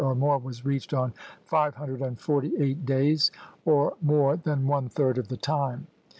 or more was reached on five hundred and forty eight days, or more than one third of the time.